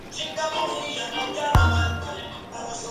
Su capital es Melo.